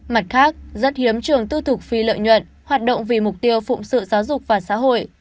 mặt khác rất hiếm trường tư thục phi lợi nhuận hoạt động vì mục tiêu phụng sự giáo dục và xã hội